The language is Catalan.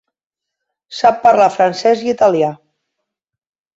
Sap parlar francès i italià.